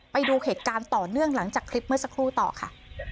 ไปดูเหตุการณ์ต่อเนื่องหลังจากคลิปเมื่อสักครู่ต่อค่ะ